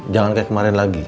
jangan kayak kemarin lagi